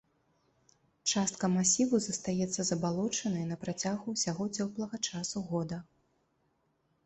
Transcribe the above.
Частка масіву застаецца забалочанай на працягу ўсяго цёплага часу года.